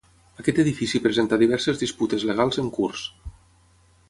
Aquest edifici presenta diverses disputes legals en curs.